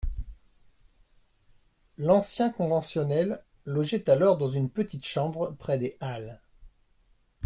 L'ancien conventionnel logeait alors dans une petite chambre près des halles.